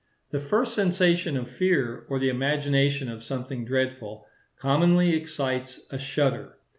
The first sensation of fear, or the imagination of something dreadful, commonly excites a shudder.